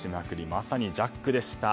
まさにジャックでした。